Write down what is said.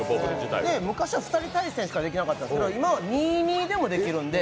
昔は２人対戦しかできなかったんですけど今、２×２でもできるんで。